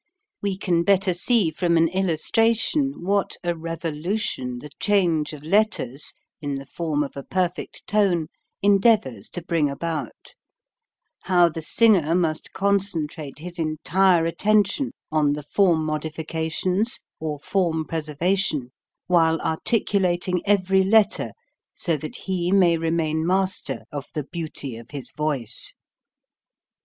We can better see from an illustration what a rev olution the change of letters in the form of a perfect tone endeavors to bring about; how the singer must concentrate his entire attention on the form modifications or form preserva tion while articulating every letter so that he may remain master of the beauty of his voice.